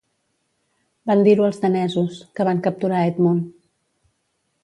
Van dir-ho als danesos, que van capturar Edmund.